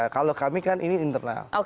kalau kami kan ini internal